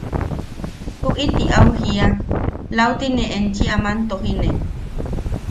–Tuʼiti au jia –lauti ne enchi aman tojine.